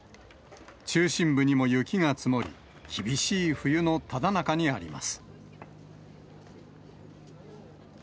中心部にも雪が積もり、厳しい冬のただ中にあります。